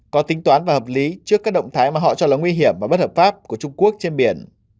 có tính toán và hợp lý trước các động thái mà họ cho là nguy hiểm và bất hợp pháp của trung quốc trên biển